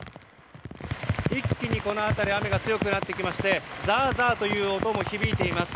一気にこの辺り雨が強くなってきましてザーザーという音も響いています。